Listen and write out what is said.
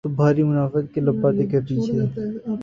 تو بھاری منافقت کے لبادے کے پیچھے۔